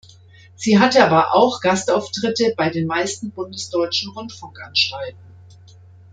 Sie hatte aber auch Gastauftritte bei den meisten bundesdeutschen Rundfunkanstalten.